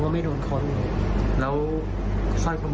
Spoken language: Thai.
มันลดไงกุ่ย